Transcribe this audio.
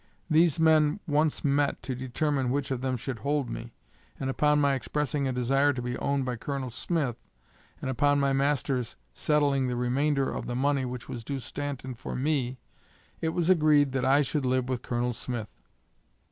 These men once met to determine which of them should hold me, and upon my expressing a desire to be owned by Col. Smith, and upon my master's settling the remainder of the money which was due Stanton for me, it was agreed that I should live with Col. Smith.